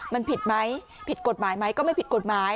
มันผิดไหมผิดกฎหมายไหมก็ไม่ผิดกฎหมาย